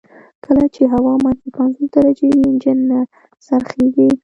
کله چې هوا منفي پنځوس درجې وي انجن نه څرخیږي